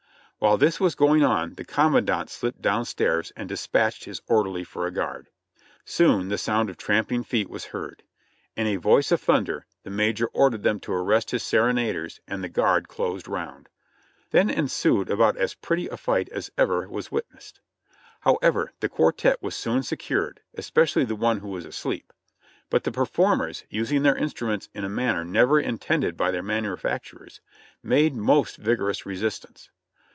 While this was going on the commandant slipped down stairs and dispatched his orderly for a guard. Soon the sound of tramp ing feet was heard. In a voice of thunder the Major ordered them to arrest his serenaders, and the guard closed round. Then en sued about as pretty a fight as ever was witnessed. However, the quartette was soon secured, especially the one who was asleep: but the performers, using their instruments in a manner never in tended by their manufacturers, made most vigorous resistance.